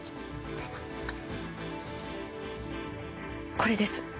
これです。